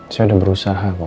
saya udah berusaha kok